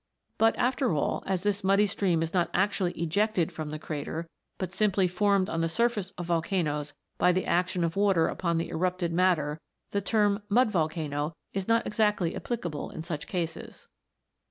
But, after all, as this muddy stream is not actually ejected from the crater, but simply formed on the surface of volcanoes by the action of water upon the erupted matter, the term " mud volcano" is not exactly applicable in such cases.